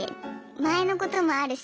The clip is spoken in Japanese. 前のこともあるし。